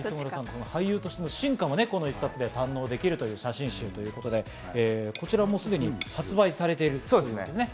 俳優さんとしての進化も、この１冊で堪能できるという写真集ということで、こちらもうすでに発売されているんですね。